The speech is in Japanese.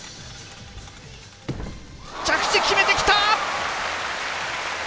着地、決めてきた！